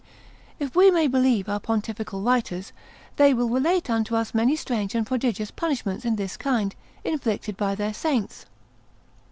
If we may believe our pontifical writers, they will relate unto us many strange and prodigious punishments in this kind, inflicted by their saints.